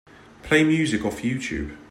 Play music off Youtube.